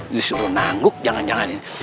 disuruh nangguk jangan janganin